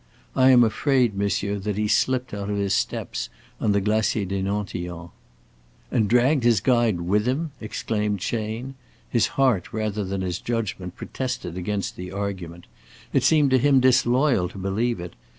I am afraid, monsieur, that he slipped out of his steps on the Glacier des Nantillons." "And dragged his guide with him?" exclaimed Chayne. His heart rather than his judgment protested against the argument. It seemed to him disloyal to believe it.